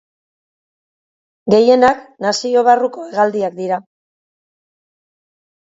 Gehienak nazio barruko hegaldiak dira.